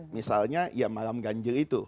misalnya ya malam ganjil itu